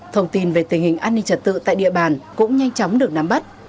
thông tin về tình hình an ninh trật tự tại địa bàn cũng nhanh chóng được nắm bắt